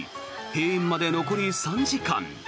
閉園まで残り３時間。